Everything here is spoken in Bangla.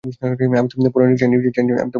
আমি তো পৌরাণিক চাইনিজ ভাষা জানি না!